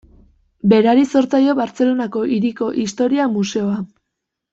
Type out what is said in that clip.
Berari zor zaio Bartzelonako Hiriko Historia Museoa.